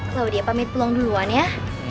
kalau dia pamit pulang duluan ya